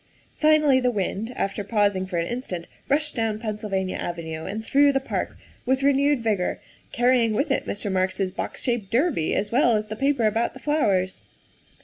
Finally the wind, after pausing for an instant, rushed down Pennsylvania Avenue and through the park with renewed vigor, carry ing with it Mr. Marks 's box shaped derby as well as the paper about the flowers.